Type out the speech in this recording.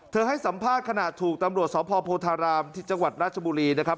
ให้สัมภาษณ์ขณะถูกตำรวจสพโพธารามที่จังหวัดราชบุรีนะครับ